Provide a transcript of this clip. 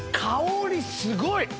香りすごい！